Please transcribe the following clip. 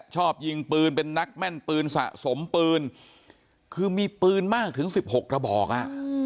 ชอบยิงปืนเป็นนักแม่นปืนสะสมปืนคือมีปืนมากถึง๑๖กระบอกอ่ะ